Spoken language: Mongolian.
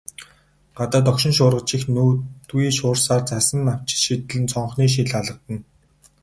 Гадаа догшин шуурга чих нүдгүй шуурсаар, цасан навчис шидлэн цонхны шил алгадна.